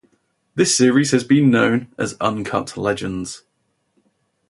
This series has been known as "Uncut Legends".